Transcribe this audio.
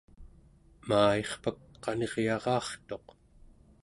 maa-irpak qaniryara'artuq